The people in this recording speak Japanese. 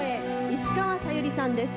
石川さゆりさんです。